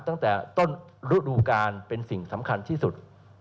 ตั้งแต่ต้นฤดูกาลเป็นสิ่งสำคัญที่สุด